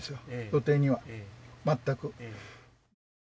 予定には全く。